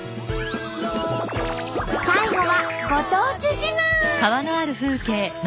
最後はご当地自慢。